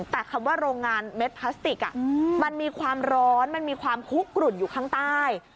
แต่คำว่าโรงงานเม็ดพลาสติกมันมีความร้อนมันมีความคุกกลุ่นอยู่ข้างใต้